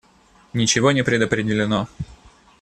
Ничего не предопределено.